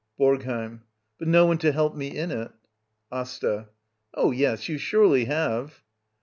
BoRGHEiM. But no one to help me in it. AsTA. Oh, yes, you surely have.